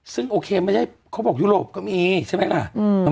ซึ่งโอเคไม่ใช่เขาบอกยุโรปก็มีใช่ไหมล่ะ